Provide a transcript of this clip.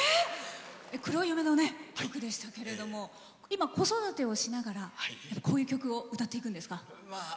黒夢の曲でしたけれども今、子育てをしながらこういう曲を歌っていくんですか？